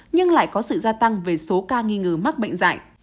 nhưng lại có sự gia tăng về số ca nghi ngờ mắc bệnh dạy